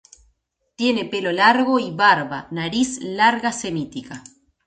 Tiene pelo largo y barba, nariz larga semítica.